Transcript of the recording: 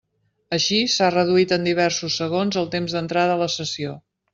Així, s'ha reduït en diversos segons el temps d'entrada a la sessió.